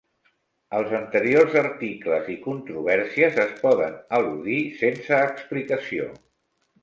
Els anteriors articles i controvèrsies es poden al·ludir sense explicació.